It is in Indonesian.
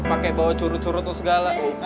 pakai bawa curut curut tuh segala